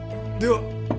では